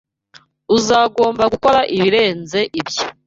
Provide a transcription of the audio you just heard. Uzagomba gukora ibirenze ibyo